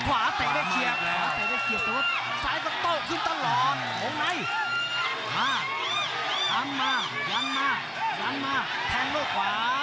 ขวาเตะได้เจียบสายก็ต้องขึ้นตลอดโหมนัยมาทางมายันมาแทงโลกขวา